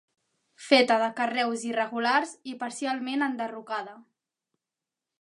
Feta de carreus irregulars i parcialment enderrocada.